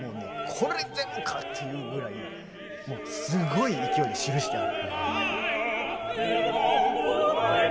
これでもかっていうぐらいもうすごい勢いで記してある。